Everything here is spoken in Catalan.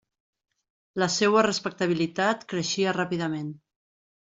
La seua respectabilitat creixia ràpidament.